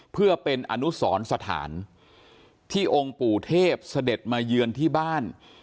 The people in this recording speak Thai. เพื่อเป็นอนุสรสถานที่องค์ปู่เทพเสด็จมาเยือนที่บ้าน